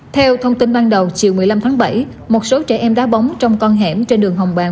theo thông tin ban đầu chiều một mươi năm tháng bảy một số trẻ em đá bóng trong con hẻm trên đường hồng bàng